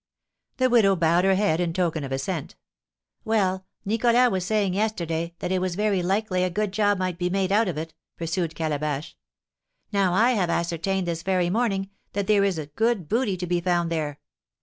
The widow bowed her head, in token of assent. "Well, Nicholas was saying yesterday that it was very likely a good job might be made out of it," pursued Calabash. "Now I have ascertained, this very morning, that there is good booty to be found there.